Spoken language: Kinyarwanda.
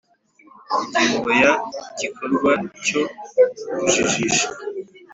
Ingingo ya Igikorwa cyo kujijisha